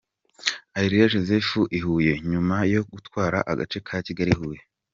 Areruya Joseph i Huye nyuma yo gutwara agace ka Kigali-Huye .